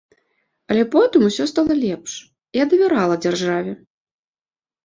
А потым усё стала лепш, я давярала дзяржаве.